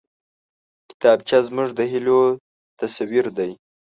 کتابچه زموږ د هيلو تصویر دی